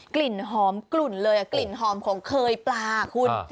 กลิ่นหอมกลุ่นเลยกลิ่นหอมของเคยปลาคุณ